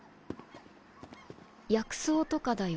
薬草とかだよ。